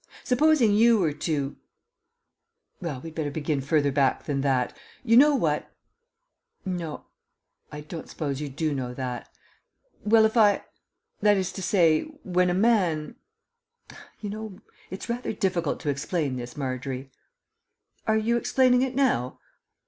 Supposing you were to Well, we'd better begin further back than that. You know what No, I don't suppose you do know that. Well, if I that is to say, when a man you know, it's rather difficult to explain this, Margery." "Are you explaining it now?"